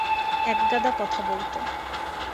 একগাদা কথা বলতে।